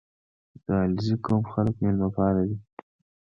• د علیزي قوم خلک میلمهپال دي.